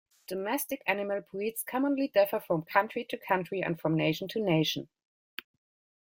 Domestic animal breeds commonly differ from country to country, and from nation to nation.